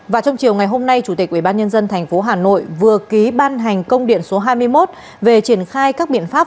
và trong chiều ngày hôm nay chủ tịch ubnd tp hà nội vừa ký ban hành công điện số hai mươi một về triển khai các biện pháp